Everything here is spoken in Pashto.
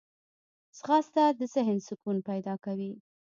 ځغاسته د ذهن سکون پیدا کوي